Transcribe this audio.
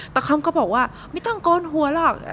แต่คำก็บอกว่าไม่ต้องโกนหัวหรอก